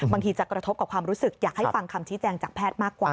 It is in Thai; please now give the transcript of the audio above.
จะกระทบกับความรู้สึกอยากให้ฟังคำชี้แจงจากแพทย์มากกว่า